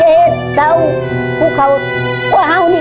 เราจะเห็นเราจะเห็น